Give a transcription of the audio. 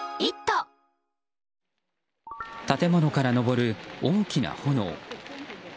建物から上る大きな炎。